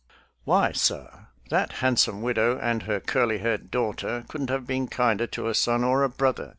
"Why, sir, that handsome widow and her curly haired daughter couldn't have been kinder to a son or a brother.